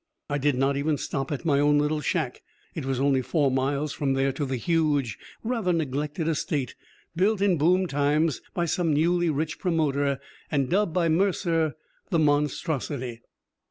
I did not even stop at my own little shack. It was only four miles from there to the huge, rather neglected estate, built in boom times by some newly rich promoter, and dubbed by Mercer "The Monstrosity."